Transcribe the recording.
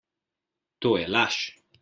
To je laž!